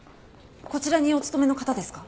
こちらにお勤めの方ですか？